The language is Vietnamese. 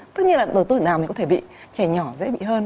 tất nhiên là ở tuổi nào mình có thể bị trẻ nhỏ dễ bị hơn